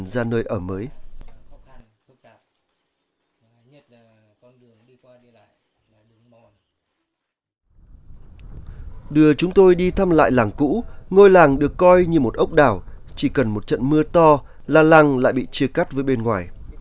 đưa chúng tôi đi thăm lại làng cũ ngôi làng được coi như một ốc đảo chỉ cần một trận mưa to là làng lại bị chia cắt với bên ngoài